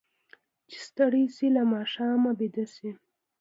چې ستړي شي، له ماښامه ویده شي.